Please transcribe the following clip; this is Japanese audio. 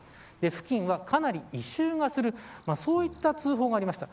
付近は、かなり異臭がするそういった通報がありました。